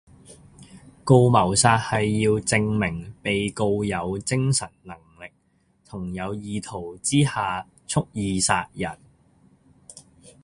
告謀殺係要證明被告有精神能力同有意圖之下蓄意殺人